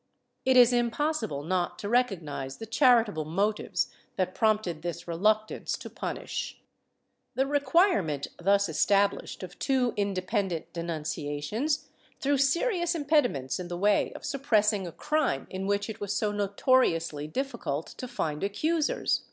^ It is impossible not to recognize the charitable motives that prompted this reluctance to punish . The requirement thus established of two independent denun ciations threw serious impediments in the way of suppressing a crhne in which it was so notoriously difficult to find accusers.